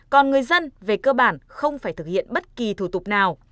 còn người dân về cơ bản không phải thực hiện bất kỳ thủ tục nào